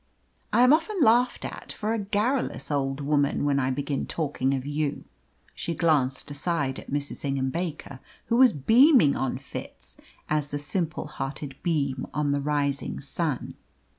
I am often laughed at for a garrulous old woman when I begin talking of you!" She glanced aside at Mrs. Ingham Baker, who was beaming on Fitz, as the simple hearted beam on the rising sun.